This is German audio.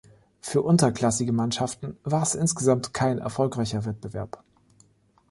Für unterklassige Mannschaften war es insgesamt kein erfolgreicher Wettbewerb.